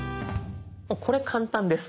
これ簡単です。